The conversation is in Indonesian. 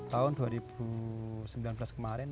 tahun dua ribu sembilan belas kemarin